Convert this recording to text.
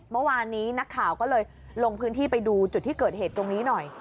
เมื่อวานนี้นักข่าวก็เลยลงพื้นที่ไปดูจุดที่เกิดเหตุตรงนี้หน่อย